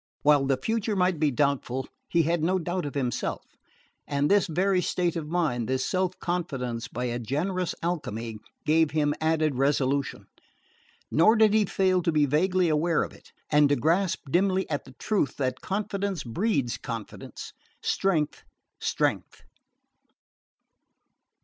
While the future might be doubtful, he had no doubt of himself; and this very state of mind, this self confidence, by a generous alchemy, gave him added resolution. Nor did he fail to be vaguely aware of it, and to grasp dimly at the truth that confidence breeds confidence strength, strength.